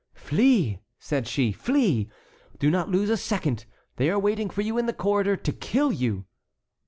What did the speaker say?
"Flee," said she, "flee. Do not lose a second. They are waiting for you in the corridor to kill you."